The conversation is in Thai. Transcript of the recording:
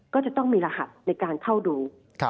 ก็จะต้องมีรหัสในการเข้าดู